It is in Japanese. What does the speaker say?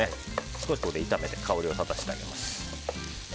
少し炒めて香りを立たせてあげます。